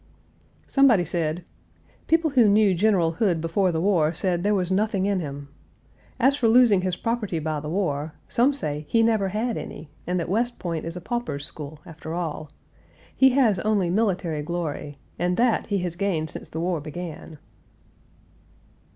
Somebody said: "People who knew General Hood before the war said there was nothing in him. As for losing his property by the war, some say he never had any, and that West Point is a pauper's school, after all. He has only military glory, and that he has gained since the war began."